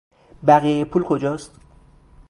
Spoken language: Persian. بقیهی پول کجاست؟